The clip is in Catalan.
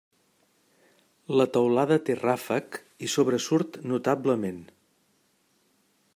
La teulada té ràfec i sobresurt notablement.